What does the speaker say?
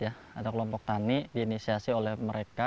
ada kelompok tani diinisiasi oleh mereka